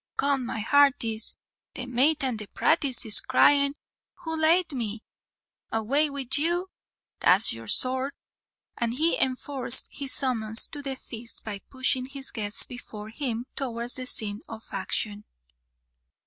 Come, my hearties, the mate and the praties is crying, 'Who'll ate me?' away wid you, that's your sort;" and he enforced his summons to the feast by pushing his guests before him towards the scene of action.